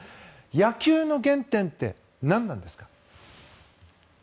野球の原点って何なんですか？